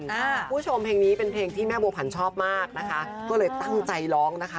คุณผู้ชมเพลงนี้เป็นเพลงที่แม่บัวผันชอบมากนะคะก็เลยตั้งใจร้องนะคะ